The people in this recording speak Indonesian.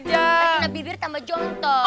tapi kena bibir tambah jontot